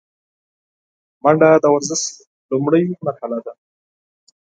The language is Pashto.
منډه د ورزش لومړۍ مرحله ده